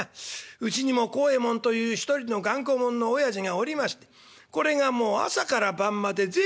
うちにも孝右衛門という１人の頑固もんの親父がおりましてこれがもう朝から晩まで銭をためる一方。